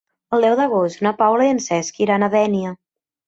El deu d'agost na Paula i en Cesc iran a Dénia.